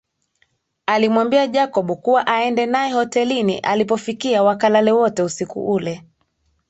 Alimwambia Jacob kuwa aende naye hotelini alipofikia wakalale wote usiku ule